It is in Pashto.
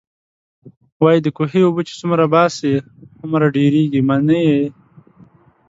وايي د کوهي اوبه چې څومره باسې، هومره ډېرېږئ. منئ يې؟